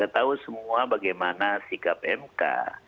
kita tahu semua bagaimana sikap mk